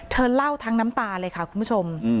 เธอเล่าทั้งน้ำตาเลยค่ะคุณผู้ชม